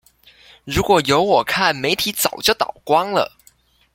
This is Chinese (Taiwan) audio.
如果有我看媒體早就倒光了！